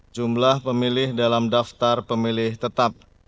jumlah pemilih dalam daftar pemilih tetap